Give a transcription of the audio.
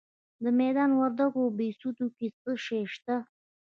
د میدان وردګو په بهسودو کې څه شی شته؟